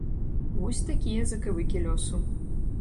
Вось такія закавыкі лёсу.